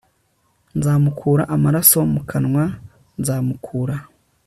nzamukura amaraso mu kanwa nzamukura